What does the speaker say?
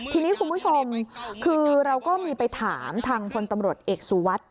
ทีนี้คุณผู้ชมคือเราก็มีไปถามทางพลตำรวจเอกสุวัสดิ์